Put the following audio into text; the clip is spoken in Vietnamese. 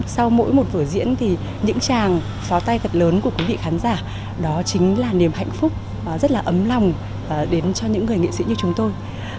sau mỗi một vở diễn thì những tràng pháo tay thật lớn của quý vị khán giả đó chính là niềm hạnh phúc rất là ấm lòng đến cho những người nghệ sĩ như chúng tôi